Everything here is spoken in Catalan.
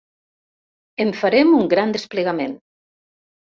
En farem un gran desplegament.